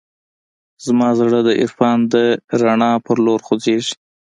زما زړه د عرفان د رڼا په لور خوځېږي.